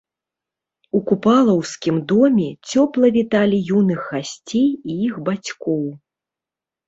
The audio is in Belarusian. У купалаўскім доме цёпла віталі юных гасцей і іх бацькоў.